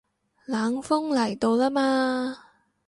冷鋒嚟到啦嘛